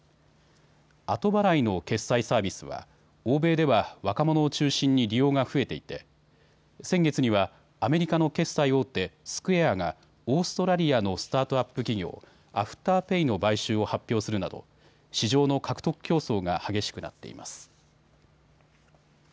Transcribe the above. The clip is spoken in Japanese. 後払いの決済サービスは欧米では若者を中心に需要が増えていて先月にはアメリカの決済大手、スクエアがオーストラリアのスタートアップ企業、アフターペイの買収を発表するなど市場の獲得競争が激しくなっています。